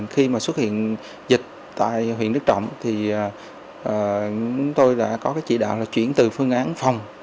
khi xuất hiện dịch tại huyện đức trọng tôi đã có chỉ đạo chuyển từ phương án phòng